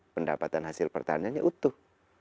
pendapatan hasil pertaniannya utuh